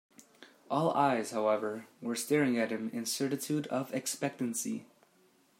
All eyes, however, were staring at him in certitude of expectancy.